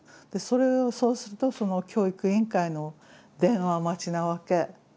そうするとその教育委員会の電話待ちなわけ。